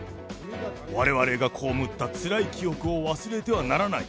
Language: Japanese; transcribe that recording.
われわれが被ったつらい記憶を忘れてはならない。